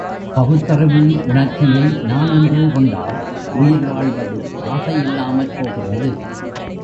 பகுத்தறிவு உணர்ச்சியை நான் என்று கொண்டால், உயிர் வாழ்வதில் ஆசை யில்லாமற் போகிறது.